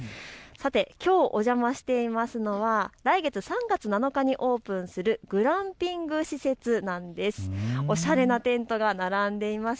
さてきょうお邪魔していますのは来月３月７日にオープンするグランピング施設なんです。